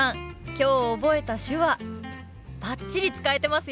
今日覚えた手話バッチリ使えてますよ！